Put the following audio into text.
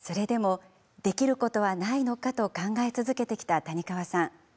それでもできることはないのかと考え続けてきた谷川さん。